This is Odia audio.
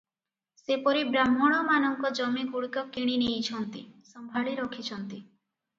ସେପରି ବ୍ରାହ୍ମଣମାନଙ୍କ ଜମିଗୁଡ଼ିକ କିଣିନେଇଛନ୍ତି, ସମ୍ଭାଳି ରଖିଛନ୍ତି ।